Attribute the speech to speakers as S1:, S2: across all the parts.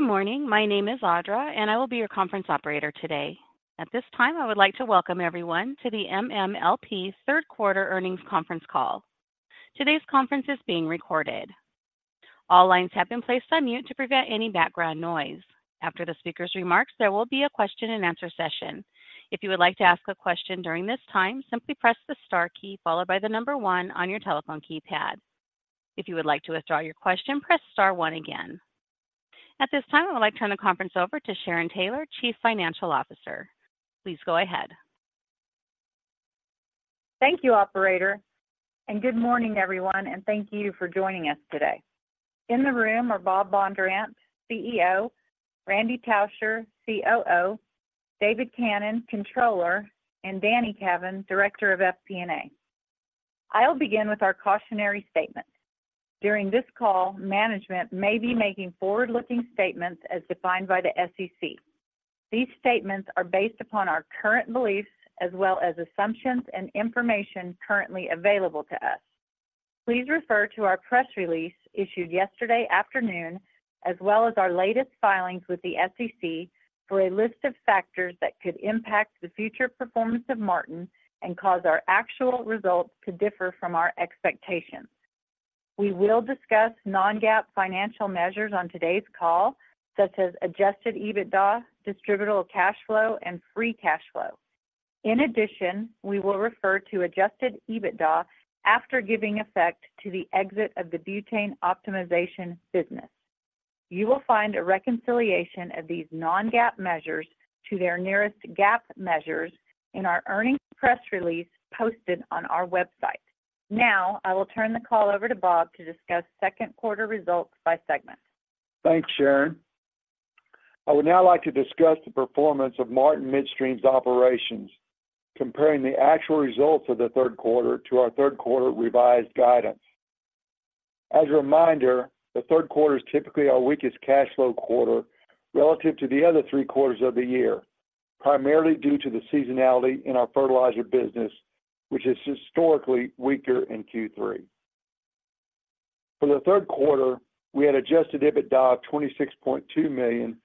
S1: Good morning. My name is Audra, and I will be your conference operator today. At this time, I would like to welcome everyone to the MMLP third quarter earnings conference call. Today's conference is being recorded. All lines have been placed on mute to prevent any background noise. After the speaker's remarks, there will be a question-and-answer session. If you would like to ask a question during this time, simply press the star key followed by the number one on your telephone keypad. If you would like to withdraw your question, press star one again. At this time, I would like to turn the conference over to Sharon Taylor, Chief Financial Officer. Please go ahead.
S2: Thank you, operator, and good morning, everyone, and thank you for joining us today. In the room are Bob Bondurant, CEO; Randy Tauscher, COO; David Cannon, Controller; and Danny Cavin, Director of FP&A. I'll begin with our cautionary statement. During this call, management may be making forward-looking statements as defined by the SEC. These statements are based upon our current beliefs as well as assumptions and information currently available to us. Please refer to our press release issued yesterday afternoon, as well as our latest filings with the SEC for a list of factors that could impact the future performance of Martin and cause our actual results to differ from our expectations. We will discuss non-GAAP financial measures on today's call, such as Adjusted EBITDA, distributable cash flow, and free cash flow. In addition, we will refer to Adjusted EBITDA after giving effect to the exit of the butane optimization business. You will find a reconciliation of these non-GAAP measures to their nearest GAAP measures in our earnings press release posted on our website. Now, I will turn the call over to Bob to discuss second quarter results by segment.
S3: Thanks, Sharon. I would now like to discuss the performance of Martin Midstream's operations, comparing the actual results of the third quarter to our third quarter revised guidance. As a reminder, the third quarter is typically our weakest cash flow quarter relative to the other three quarters of the year, primarily due to the seasonality in our fertilizer business, which is historically weaker in Q3. For the third quarter, we had Adjusted EBITDA of $26.2 million,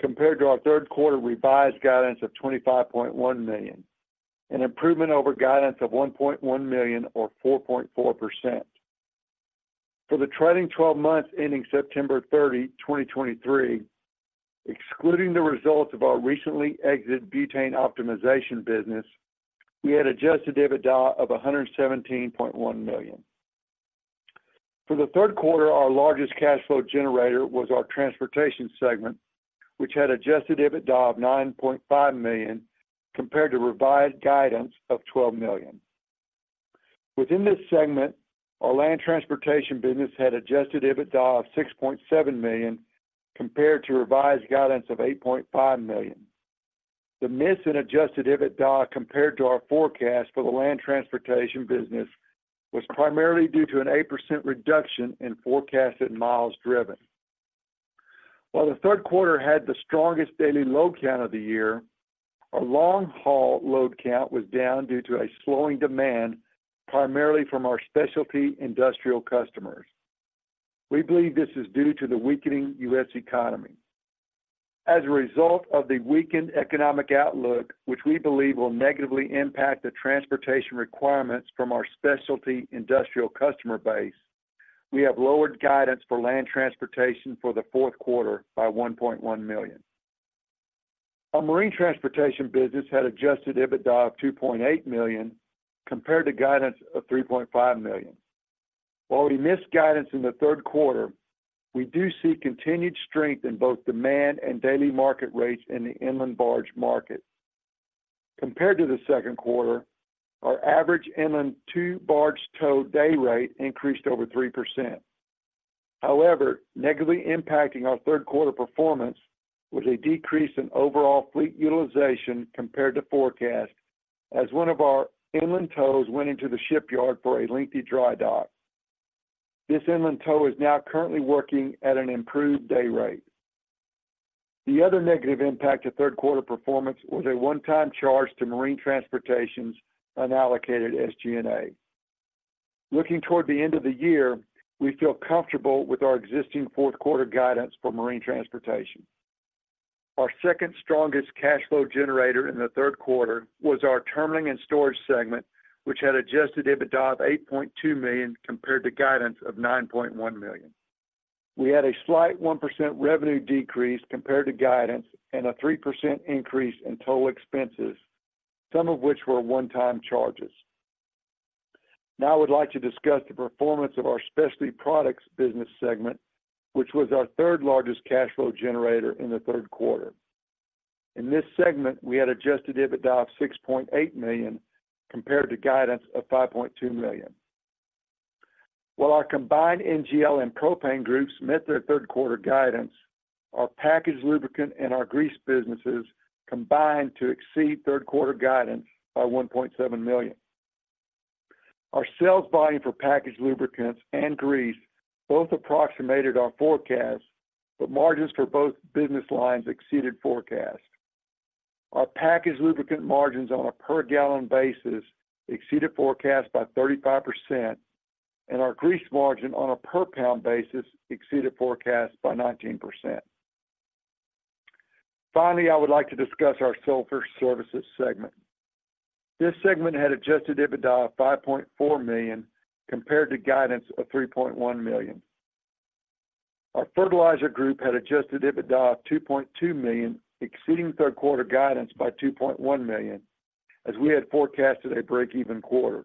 S3: compared to our third quarter revised guidance of $25.1 million, an improvement over guidance of $1.1 million or 4.4%. For the trailing twelve months ending September 30, 2023, excluding the results of our recently exited butane optimization business, we had Adjusted EBITDA of $117.1 million. For the third quarter, our largest cash flow generator was our transportation segment, which had Adjusted EBITDA of $9.5 million, compared to revised guidance of $12 million. Within this segment, our land transportation business had Adjusted EBITDA of $6.7 million, compared to revised guidance of $8.5 million. The miss in Adjusted EBITDA compared to our forecast for the land transportation business was primarily due to an 8% reduction in forecasted miles driven. While the third quarter had the strongest daily load count of the year, our long-haul load count was down due to a slowing demand, primarily from our specialty industrial customers. We believe this is due to the weakening U.S. economy. As a result of the weakened economic outlook, which we believe will negatively impact the transportation requirements from our specialty industrial customer base, we have lowered guidance for land transportation for the fourth quarter by $1.1 million. Our marine transportation business had Adjusted EBITDA of $2.8 million, compared to guidance of $3.5 million. While we missed guidance in the third quarter, we do see continued strength in both demand and daily market rates in the inland barge market. Compared to the second quarter, our average inland two-barge tow day rate increased over 3%. However, negatively impacting our third quarter performance was a decrease in overall fleet utilization compared to forecast, as one of our inland tows went into the shipyard for a lengthy dry dock. This inland tow is now currently working at an improved day rate. The other negative impact to third quarter performance was a one-time charge to marine transportation's unallocated SG&A. Looking toward the end of the year, we feel comfortable with our existing fourth quarter guidance for marine transportation. Our second strongest cash flow generator in the third quarter was our terminalling and storage segment, which had Adjusted EBITDA of $8.2 million, compared to guidance of $9.1 million. We had a slight 1% revenue decrease compared to guidance and a 3% increase in total expenses, some of which were one-time charges. Now, I would like to discuss the performance of our specialty products business segment, which was our third-largest cash flow generator in the third quarter. In this segment, we had Adjusted EBITDA of $6.8 million, compared to guidance of $5.2 million. While our combined NGL and propane groups met their third quarter guidance, our packaged lubricant and our grease businesses combined to exceed third quarter guidance by $1.7 million. Our sales volume for packaged lubricants and grease both approximated our forecast, but margins for both business lines exceeded forecast. Our packaged lubricant margins on a per gallon basis exceeded forecast by 35%, and our grease margin on a per pound basis exceeded forecast by 19%. Finally, I would like to discuss our sulfur services segment. This segment had Adjusted EBITDA of $5.4 million, compared to guidance of $3.1 million. Our fertilizer group had Adjusted EBITDA of $2.2 million, exceeding third quarter guidance by $2.1 million, as we had forecasted a break-even quarter.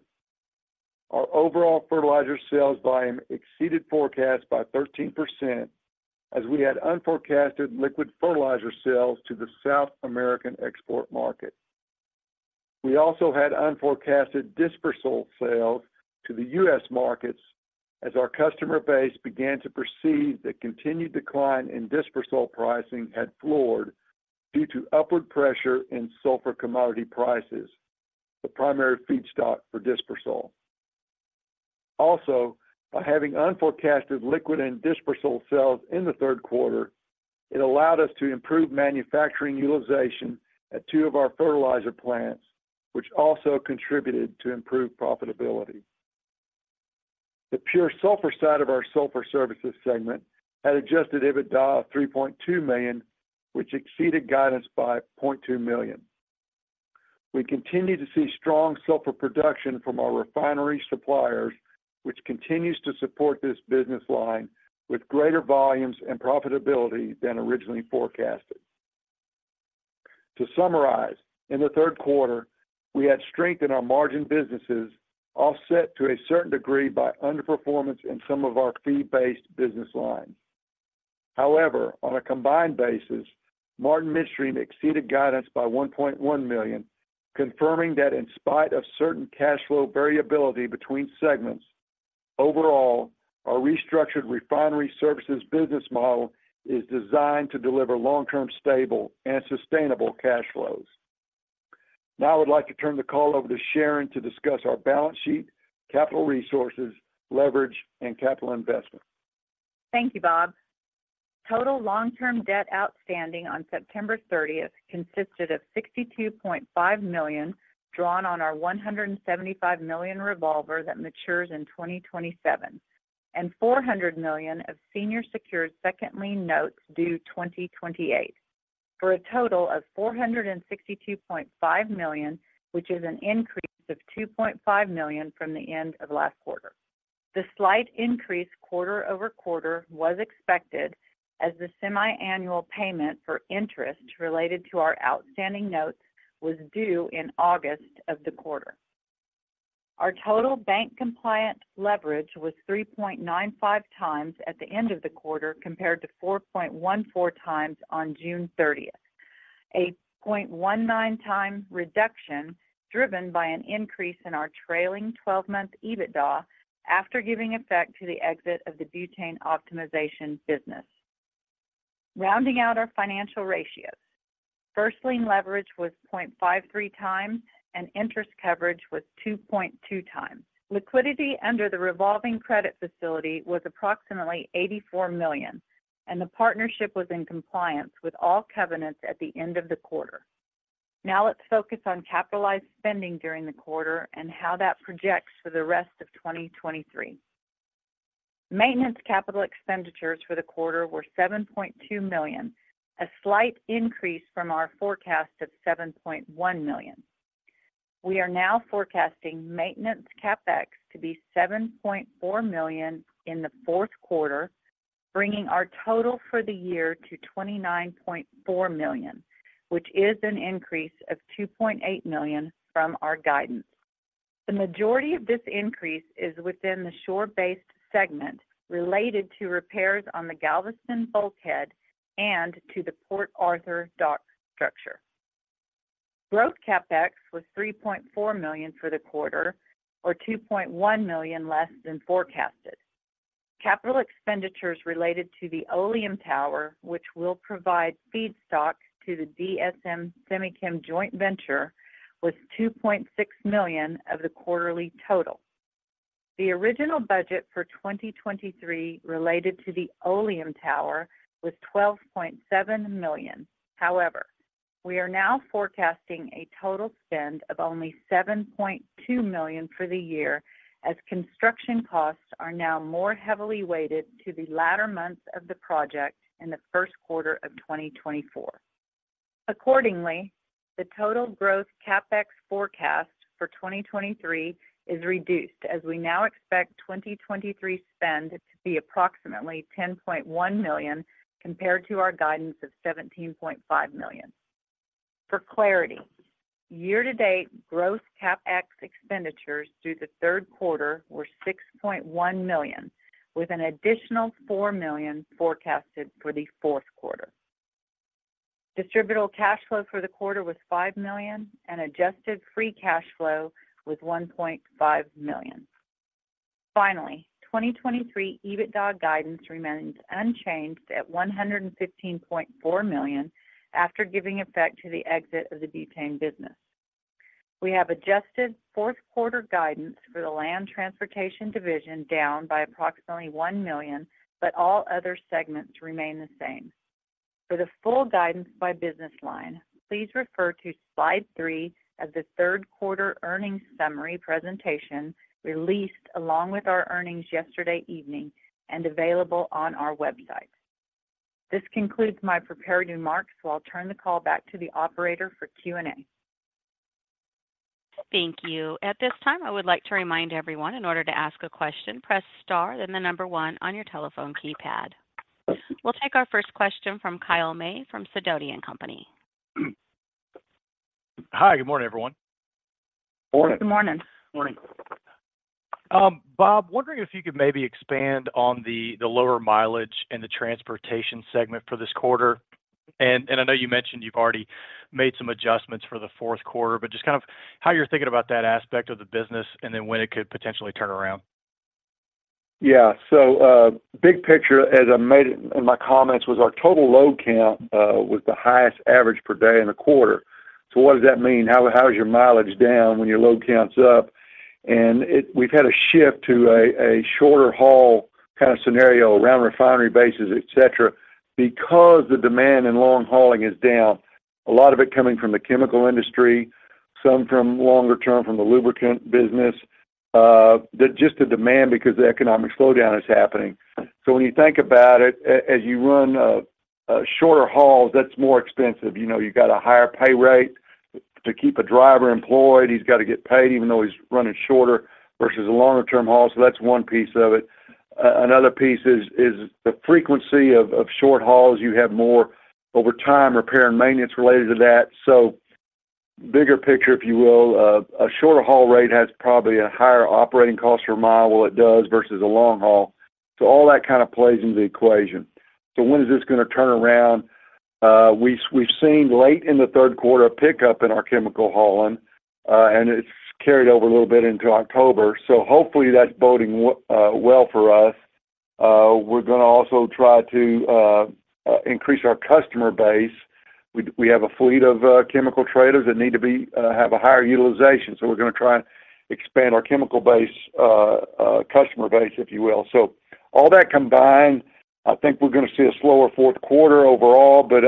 S3: Our overall fertilizer sales volume exceeded forecast by 13%, as we had unforecasted liquid fertilizer sales to the South America export market. We also had unforecasted dispersant sales to the U.S. markets, as our customer base began to perceive the continued decline in dispersant pricing had floored due to upward pressure in sulfur commodity prices, the primary feedstock for dispersant. Also, by having unforecasted liquid and dispersant sales in the third quarter, it allowed us to improve manufacturing utilization at two of our fertilizer plants, which also contributed to improved profitability. The pure sulfur side of our sulfur services segment had Adjusted EBITDA of $3.2 million, which exceeded guidance by $0.2 million. We continue to see strong sulfur production from our refinery suppliers, which continues to support this business line with greater volumes and profitability than originally forecasted. To summarize, in the third quarter, we had strength in our margin businesses, offset to a certain degree by underperformance in some of our fee-based business lines. However, on a combined basis, Martin Midstream exceeded guidance by $1.1 million, confirming that in spite of certain cash flow variability between segments, overall, our restructured refinery services business model is designed to deliver long-term, stable, and sustainable cash flows. Now, I would like to turn the call over to Sharon to discuss our balance sheet, capital resources, leverage, and capital investment.
S2: Thank you, Bob. Total long-term debt outstanding on September 30th consisted of $62.5 million drawn on our $175 million revolver that matures in 2027, and $400 million of senior secured second lien notes due 2028, for a total of $462.5 million, which is an increase of $2.5 million from the end of last quarter. The slight increase quarter-over-quarter was expected as the semiannual payment for interest related to our outstanding notes was due in August of the quarter. Our total bank compliance leverage was 3.95x at the end of the quarter, compared to 4.14x on June 30th. A 0.19x reduction, driven by an increase in our trailing twelve-month EBITDA after giving effect to the exit of the butane optimization business. Rounding out our financial ratios. First lien leverage was 0.53 times, and interest coverage was 2.2 times. Liquidity under the revolving credit facility was approximately $84 million, and the partnership was in compliance with all covenants at the end of the quarter. Now let's focus on capitalized spending during the quarter and how that projects for the rest of 2023. Maintenance capital expenditures for the quarter were $7.2 million, a slight increase from our forecast of $7.1 million. We are now forecasting maintenance CapEx to be $7.4 million in the fourth quarter, bringing our total for the year to $29.4 million, which is an increase of $2.8 million from our guidance. The majority of this increase is within the shore-based segment related to repairs on the Galveston bulkhead and to the Port Arthur dock structure. Growth CapEx was $3.4 million for the quarter or $2.1 million less than forecasted. Capital expenditures related to the Oleum tower, which will provide feedstock to the DSM Semichem joint venture, was $2.6 million of the quarterly total. The original budget for 2023 related to the Oleum tower was $12.7 million. However, we are now forecasting a total spend of only $7.2 million for the year, as construction costs are now more heavily weighted to the latter months of the project in the first quarter of 2024. Accordingly, the total growth CapEx forecast for 2023 is reduced, as we now expect 2023 spend to be approximately $10.1 million, compared to our guidance of $17.5 million. For clarity, year-to-date growth CapEx expenditures through the third quarter were $6.1 million, with an additional $4 million forecasted for the fourth quarter. Distributable cash flow for the quarter was $5 million, and adjusted free cash flow was $1.5 million. Finally, 2023 EBITDA guidance remains unchanged at $115.4 million after giving effect to the exit of the butane business. We have adjusted fourth quarter guidance for the land transportation division down by approximately $1 million, but all other segments remain the same. For the full guidance by business line, please refer to Slide 3 of the third quarter earnings summary presentation, released along with our earnings yesterday evening, and available on our website. This concludes my prepared remarks, so I'll turn the call back to the operator for Q&A.
S1: Thank you. At this time, I would like to remind everyone, in order to ask a question, press star, then the number one on your telephone keypad. We'll take our first question from Kyle May from Sidoti & Company.
S4: Hi, good morning, everyone.
S3: Good morning.
S2: Good morning.
S5: Good morning.
S4: Bob, wondering if you could maybe expand on the lower mileage in the transportation segment for this quarter. And I know you mentioned you've already made some adjustments for the fourth quarter, but just kind of how you're thinking about that aspect of the business, and then when it could potentially turn around?
S3: Yeah. So, big picture, as I made it in my comments, was our total load count was the highest average per day in the quarter. So what does that mean? How is your mileage down when your load count's up? And we've had a shift to a shorter haul kind of scenario around refinery bases, et cetera, because the demand in long hauling is down, a lot of it coming from the chemical industry, some from longer term from the lubricant business. Just the demand because the economic slowdown is happening. So when you think about it, as you run shorter hauls, that's more expensive. You know, you've got a higher pay rate to keep a driver employed. He's got to get paid even though he's running shorter versus a longer term haul. So that's one piece of it. Another piece is the frequency of short hauls. You have more over time repair and maintenance related to that. So bigger picture, if you will, a shorter haul rate has probably a higher operating cost per mile, well, it does, versus a long haul. So all that kind of plays into the equation. So when is this going to turn around? We've seen late in the third quarter a pickup in our chemical hauling, and it's carried over a little bit into October. So hopefully, that's boding well for us. We're going to also try to increase our customer base. We have a fleet of chemical traders that need to have a higher utilization, so we're going to try and expand our chemical base, customer base, if you will. So all that combined, I think we're going to see a slower fourth quarter overall, but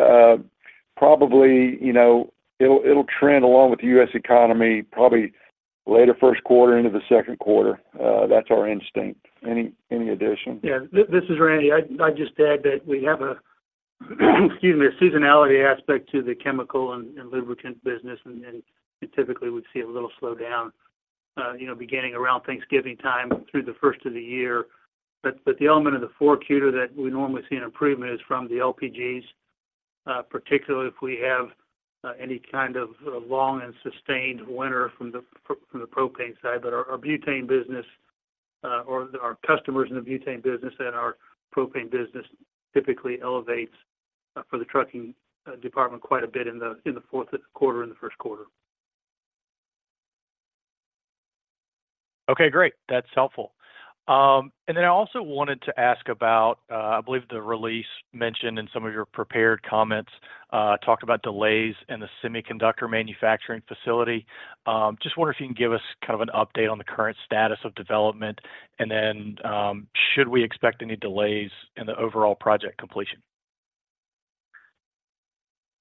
S3: probably, you know, it'll trend along with the U.S. economy, probably later first quarter into the second quarter. That's our instinct. Any addition?
S5: Yeah. This is Randy. I'd just add that we have, excuse me, a seasonality aspect to the chemical and lubricant business, and typically we'd see a little slowdown, you know, beginning around Thanksgiving time through the first of the year. But the element of the fourth quarter that we normally see an improvement is from the LPGs, particularly if we have any kind of long and sustained winter from the propane side. But our butane business, or our customers in the butane business and our propane business typically elevates for the trucking department quite a bit in the fourth quarter and the first quarter.
S4: Okay, great. That's helpful. And then I also wanted to ask about, I believe the release mentioned in some of your prepared comments, talked about delays in the semiconductor manufacturing facility. Just wonder if you can give us kind of an update on the current status of development, and then, should we expect any delays in the overall project completion?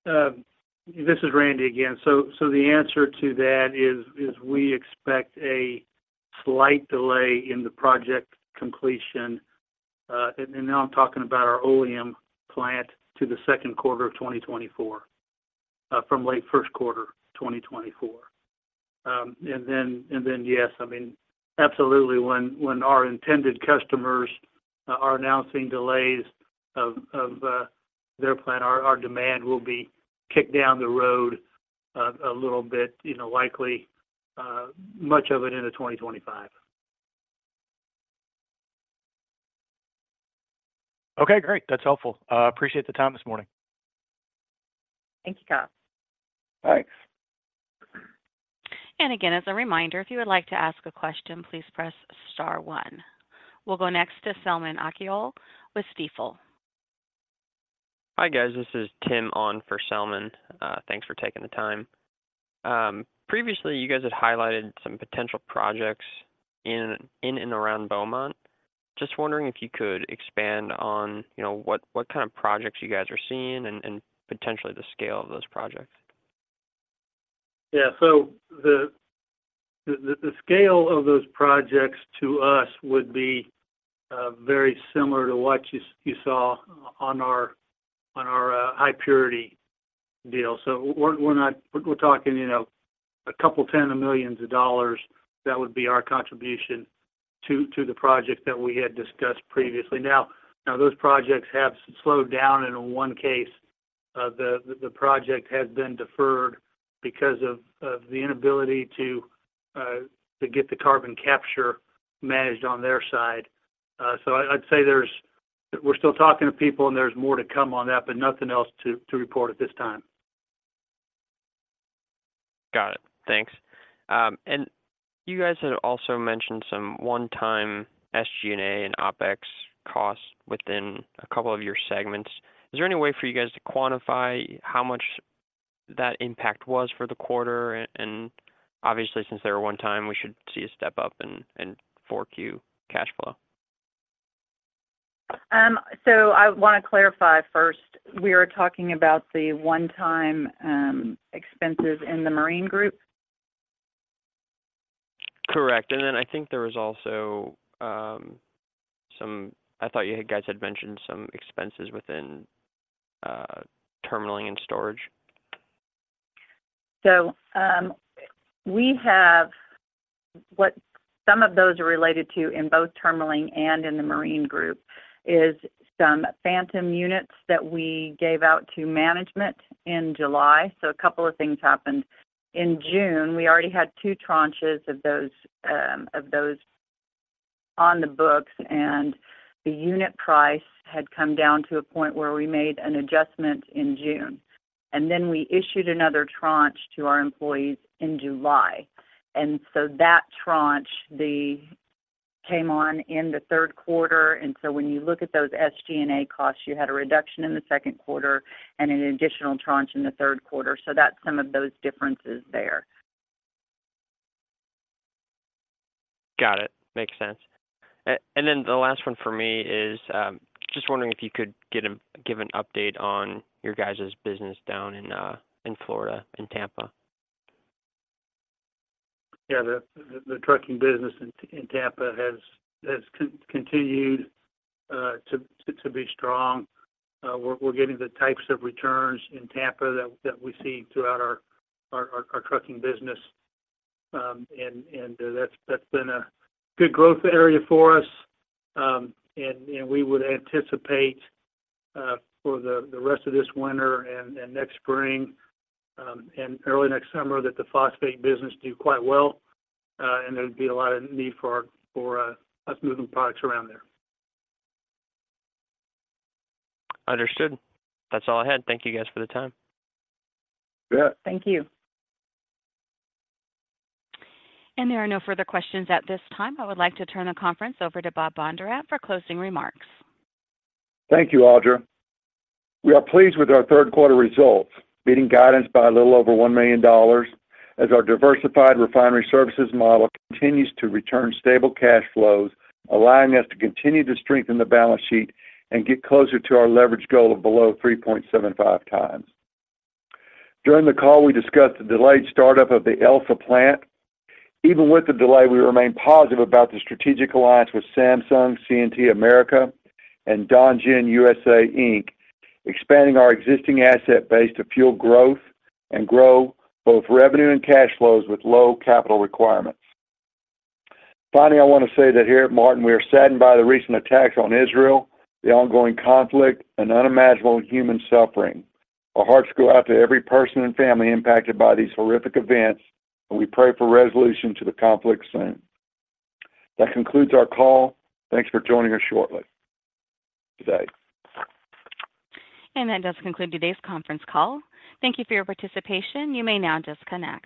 S5: This is Randy again. So the answer to that is we expect a slight delay in the project completion, and now I'm talking about our Oleum plant to the second quarter of 2024, from late first quarter 2024. And then, yes, I mean, absolutely, when our intended customers are announcing delays of their plan, our demand will be kicked down the road, a little bit, you know, likely, much of it into 2025.
S4: Okay, great. That's helpful. Appreciate the time this morning.
S2: Thank you, Kyle.
S3: Thanks.
S1: Again, as a reminder, if you would like to ask a question, please press star one. We'll go next to Selman Akyol with Stifel.
S6: Hi, guys. This is Tim on for Selman. Thanks for taking the time. Previously, you guys had highlighted some potential projects in and around Beaumont. Just wondering if you could expand on, you know, what kind of projects you guys are seeing and potentially the scale of those projects?
S5: Yeah. So the scale of those projects to us would be very similar to what you saw on our high purity deal. So we're talking, you know, a couple $10 million. That would be our contribution to the project that we had discussed previously. Now those projects have slowed down, and in one case, the project has been deferred because of the inability to get the carbon capture managed on their side. So I'd say there's... We're still talking to people, and there's more to come on that, but nothing else to report at this time.
S6: Got it. Thanks. You guys had also mentioned some one-time SG&A and OpEx costs within a couple of your segments. Is there any way for you guys to quantify how much that impact was for the quarter? And obviously, since they were one time, we should see a step up in 4Q cash flow.
S2: So I want to clarify first, we are talking about the one-time expenses in the marine group?
S6: Correct. And then I think there was also some. I thought you guys had mentioned some expenses within terminalling and storage.
S2: So, we have, what some of those are related to in both terminaling and in the marine group, is some phantom units that we gave out to management in July. So a couple of things happened. In June, we already had two tranches of those, of those on the books, and the unit price had come down to a point where we made an adjustment in June, and then we issued another tranche to our employees in July. And so that tranche came on in the third quarter, and so when you look at those SG&A costs, you had a reduction in the second quarter and an additional tranche in the third quarter. So that's some of those differences there.
S6: Got it. Makes sense. And then the last one for me is just wondering if you could give an update on your guys' business down in Florida, in Tampa?
S5: Yeah, the trucking business in Tampa has continued to be strong. We're getting the types of returns in Tampa that we see throughout our trucking business. And that's been a good growth area for us. And we would anticipate for the rest of this winter and next spring and early next summer that the phosphate business do quite well, and there'd be a lot of need for us moving products around there.
S6: Understood. That's all I had. Thank you guys for the time.
S5: Yeah.
S2: Thank you.
S1: There are no further questions at this time. I would like to turn the conference over to Bob Bondurant for closing remarks.
S3: Thank you, Audra. We are pleased with our third quarter results, beating guidance by a little over $1 million, as our diversified refinery services model continues to return stable cash flows, allowing us to continue to strengthen the balance sheet and get closer to our leverage goal of below 3.75 times. During the call, we discussed the delayed startup of the ELSA plant. Even with the delay, we remain positive about the strategic alliance with Samsung C&T America, and Dongjin USA Inc., expanding our existing asset base to fuel growth and grow both revenue and cash flows with low capital requirements. Finally, I want to say that here at Martin, we are saddened by the recent attacks on Israel, the ongoing conflict, and unimaginable human suffering. Our hearts go out to every person and family impacted by these horrific events, and we pray for resolution to the conflict soon. That concludes our call. Thanks for joining us shortly, today.
S1: That does conclude today's conference call. Thank you for your participation. You may now disconnect.